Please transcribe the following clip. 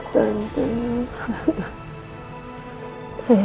kamu di sini say